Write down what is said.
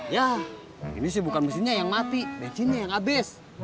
ya ini sih bukan mesinnya yang mati bensinnya yang abis